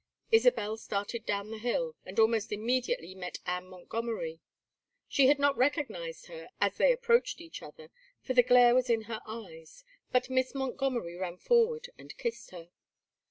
Isabel started down the hill, and almost immediately met Anne Montgomery. She had not recognized her as they approached each other, for the glare was in her eyes; but Miss Montgomery ran forward and kissed her.